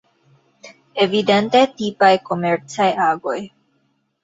Evidente tipaj komercaj agoj.